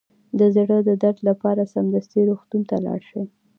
د زړه د درد لپاره سمدستي روغتون ته لاړ شئ